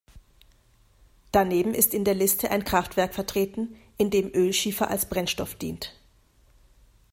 Daneben ist in der Liste ein Kraftwerk vertreten, in dem Ölschiefer als Brennstoff dient.